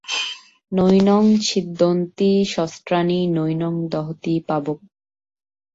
নৈনং ছিন্দন্তি শস্ত্রাণি নৈনং দহতি পাবকঃ।